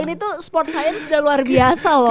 ini tuh sport science udah luar biasa loh